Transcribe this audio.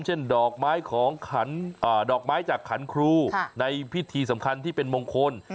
เช่นดอกไม้จากขันครูในพิธีสำคัญที่เป็นมงคล